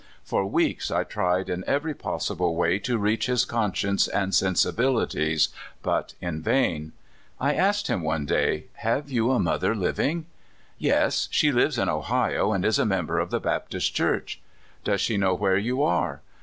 For weeks I tried in every possible way to reach his conscience and sensibilities, but in vain. I asked him one day: '* Have you a mother living?" *' Yes; she lives in Ohio, and is a member of the Baptist Church." " Does she know where you are?